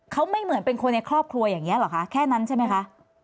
เขาไม่เหมือนเป็นคนในครอบครัวอย่างนี้เหรอคะแค่นั้นใช่ไหมคะ